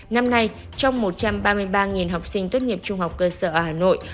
năm nay trong một trăm ba mươi ba học sinh tốt nghiệp trung học cơ sở ở hà nội